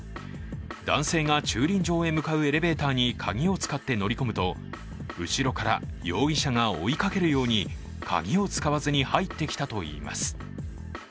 男性が駐輪場へ向かうエレベーターに鍵を使って乗り込むと後ろから容疑者が追いかけるように鍵を使わずに入ってきたといいます。